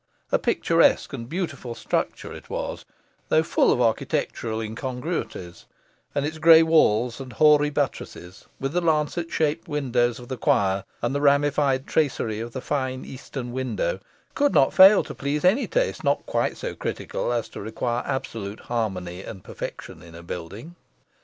A picturesque and beautiful structure it was, though full of architectural incongruities; and its grey walls and hoary buttresses, with the lancet shaped windows of the choir, and the ramified tracery of the fine eastern window, could not fail to please any taste not quite so critical as to require absolute harmony and perfection in a building.